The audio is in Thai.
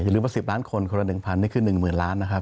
อย่าลืมว่า๑๐ล้านคนคนละ๑๐๐๐บาทนี่คือ๑๐๐๐๐๐๐บาทนะครับ